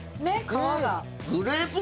皮が。